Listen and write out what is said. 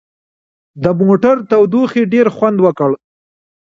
د موټر تودوخې ډېر خوند وکړ.